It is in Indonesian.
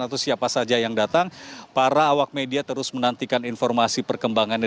atau siapa saja yang datang para awak media terus menantikan informasi perkembangannya